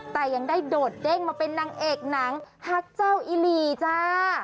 แต่ยังได้โดดเด้งมาเป็นนางเอกหนังฮักเจ้าอิหลีจ้า